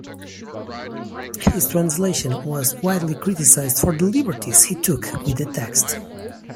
His translation was widely criticized for the liberties he took with the text.